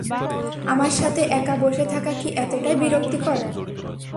আমার সাথে একা বসে থাকা কি এতটাই বিরক্তিকর?